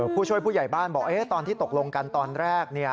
ผู้ช่วยผู้ใหญ่บ้านบอกตอนที่ตกลงกันตอนแรก